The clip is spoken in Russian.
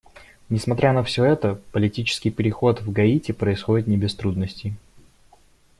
Несмотря на все это, политический переход в Гаити происходит не без трудностей.